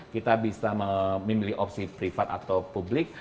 kita bisa memilih opsi privat atau publik